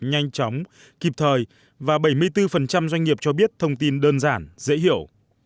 nhanh chóng kịp thời và bảy mươi bốn doanh nghiệp cho biết thông tin đơn giản dễ hiểu